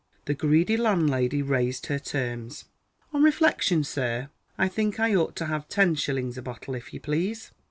The greedy landlady raised her terms. "On reflection, sir, I think I ought to have ten shillings a bottle, if you please."